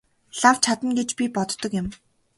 Лав чадна гэж би боддог юм.